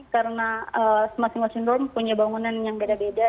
karena semakin what's in rome punya bangunan yang beda beda